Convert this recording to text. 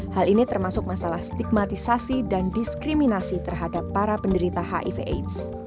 hal ini termasuk masalah stigmatisasi dan diskriminasi terhadap para penderita hiv aids